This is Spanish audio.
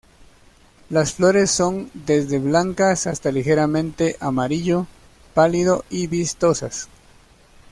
Las flores son desde blancas hasta ligeramente amarillo pálido y vistosas.